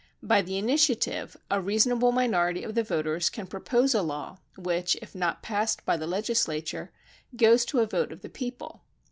By the Initiative a reasonable minority of the voters can propose a law which, if not passed by the legislature, goes to a vote of the peo ple.